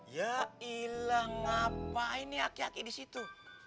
ya iya ngapain nih aki aki di situ